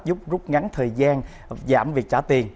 giúp rút ngắn thời gian giảm việc trả tiền